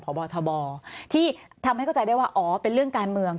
บททบที่ทำให้เข้าใจได้ว่าอ๋อเป็นเรื่องการเมือง